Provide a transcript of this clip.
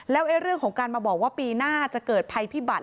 แล้วเรื่องของการมาบอกว่าปีหน้าจะเกิดภัยพิบัติ